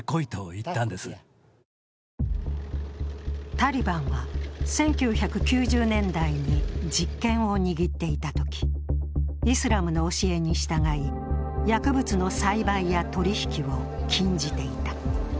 タリバンは１９９０年代に実権を握っていたとき、イラスムの教えに従い、薬物の栽培や取り引きを禁じていた。